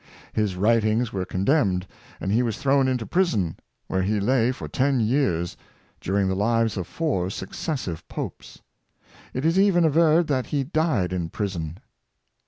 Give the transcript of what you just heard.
His writings were con demned, and he was thrown into prison, where he lay for ten years, during the lives of four successive popes. It is even averred that he died in prison.